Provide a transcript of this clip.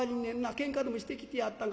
けんかでもしてきてやったんか？